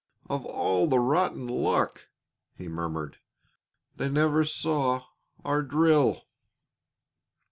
"Of all the rotten luck!" he murmured. "They never saw our drill."